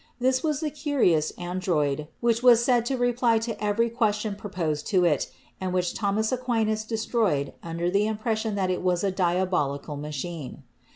This was the curious Android, which was said to reply to every question proposed to it and which Thomas Aquinas destroyed under the impression that it was a diabolical machine.